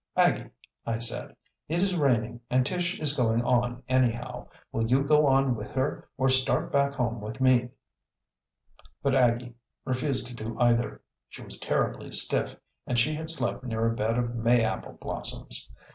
"Aggie," I said, "it is raining and Tish is going on anyhow. Will you go on with her or start back home with me?" But Aggie refused to do either. She was terribly stiff and she had slept near a bed of May apple blossoms.